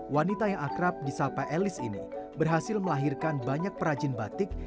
wanita yang akrab di sapa elis ini berhasil melahirkan banyak perajin batik